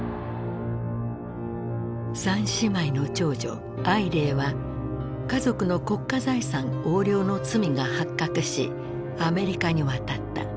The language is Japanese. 三姉妹の長女靄齢は家族の国家財産横領の罪が発覚しアメリカに渡った。